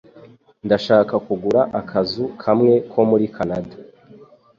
Ndashaka kugura akazu kamwe ko muri Kanada.